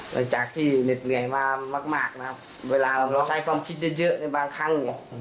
หลังจากที่เหน็ดเหนื่อยมามากนะครับเวลาเราใช้ความคิดเยอะในบางครั้งเนี่ย